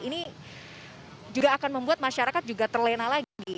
ini juga akan membuat masyarakat juga terlena lagi